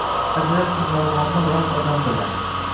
Ajratdim yolgonni rost odam bilan